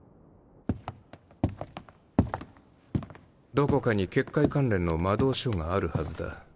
どこかに結界関連の魔導書があるはずだ。